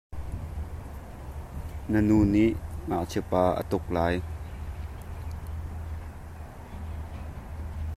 Na nu nih ngakchia pa a tuk lai.